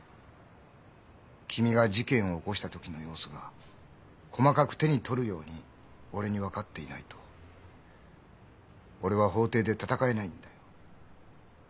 君が事件を起こした時の様子が細かく手に取るように俺に分かっていないと俺は法廷で闘えないんだよ。